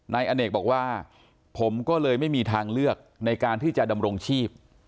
นายอเนกบอกว่าผมก็เลยไม่มีทางเลือกในการที่จะดำรงชีพ